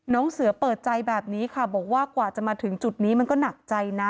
น้องเสือเปิดใจแบบนี้ค่ะบอกว่ากว่าจะมาถึงจุดนี้มันก็หนักใจนะ